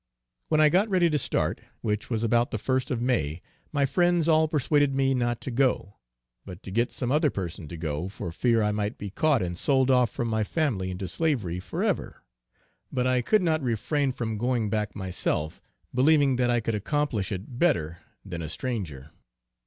When I got ready to start, which was about the first of May, my friends all persuaded me not to go, but to get some other person to go, for fear I might be caught and sold off from my family into slavery forever. But I could not refrain from going back myself, believing that I could accomplish it better than a stranger.